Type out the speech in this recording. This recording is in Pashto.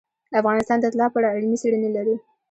افغانستان د طلا په اړه علمي څېړنې لري.